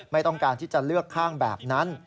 ไม่ต้องการที่จะเลือกข้างแบบนั้น